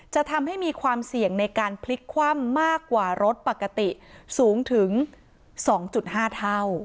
จะทำให้มีความเสี่ยงในการพลิกคว่ำมากกว่ารถปกติสูงถึง๒๕เท่า